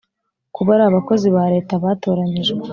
kuba ari abakozi ba Leta batoranyijwe